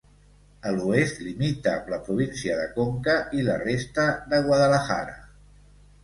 A l'oest limita amb la província de Conca i la resta de Guadalajara.